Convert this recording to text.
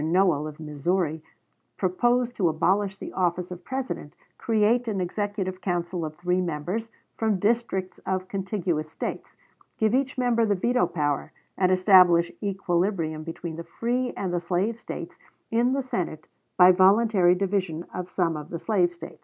Noell, of Missouri, proposed to abolish the office of President, create an executive council of three members, from districts of contiguous States, give each member the veto power, and establish equilibrium between the free and the slave States in the Senate by voluntary division of some of the slave States.